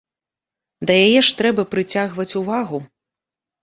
Да яе ж трэба прыцягваць увагу.